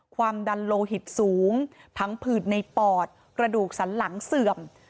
ความดันโลหิตสูงทั้งผืดในปอดกระดูกสันหลังเสื่อม